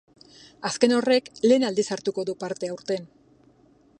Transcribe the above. Azken horrek, lehen aldiz hartuko du parte aurten.